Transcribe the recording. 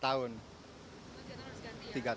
tiga tahun harus diganti ya